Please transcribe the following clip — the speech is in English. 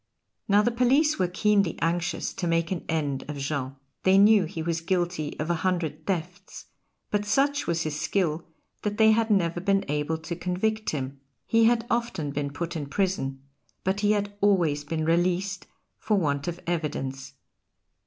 Now the police were keenly anxious to make an end of Jean. They knew he was guilty of a hundred thefts, but such was his skill that they had never been able to convict him; he had often been put in prison, but he had always been released for want of evidence.